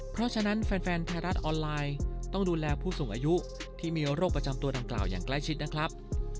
เพราะฉะนั้นแฟนไทยรัฐออนไลน์ต้องดูแลผู้สูงอายุที่มีโรคประจำตัวดังกล่าวอย่างใกล้ชิดนะครับ